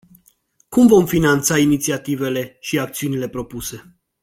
Cum vom finanța inițiativele și acțiunile propuse?